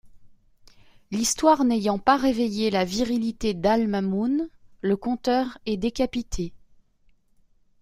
L'histoire n'ayant pas réveillé la virilité d'Al Mamun, le conteur est décapité.